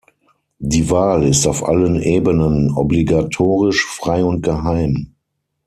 Die Wahl ist auf allen Ebenen obligatorisch, frei und geheim.